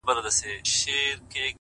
o دا ستاد كلـي كـاڼـى زمـا دوا ســـوه،